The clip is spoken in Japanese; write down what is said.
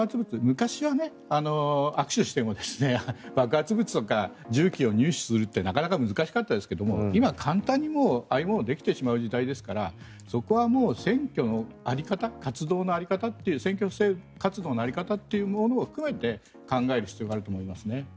昔は握手しても爆発物とか銃器を入手するってなかなか難しかったですが今は簡単にああいうものができてしまう時代ですからそこは選挙の在り方活動の在り方という選挙活動の在り方を含めて考える必要があると思いますね。